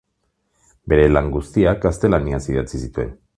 Bere lan guztiak gaztelaniaz idatzi zituen.